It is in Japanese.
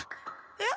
えっ？